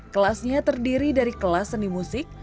kelasnya terdiri dari kelas seni musik